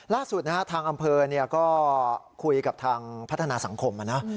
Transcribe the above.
ล่าสุดนะฮะทางอำเภอก็คุยกับทางพัฒนาสังคมนะ